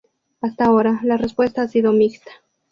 Hasta ahora, la respuesta ha sido mixta.